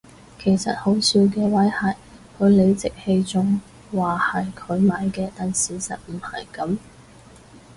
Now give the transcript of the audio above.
其實好笑嘅位係佢理直氣壯話係佢買嘅但事實唔係噉